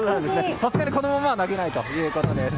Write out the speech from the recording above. さすがに、このままは投げないということです。